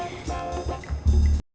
gini newman kalian takiyorum